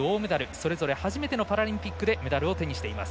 それぞれ初めてのパラリンピックでメダルを手にしています。